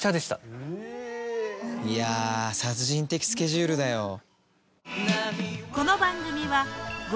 いや殺人的スケジュールだよ。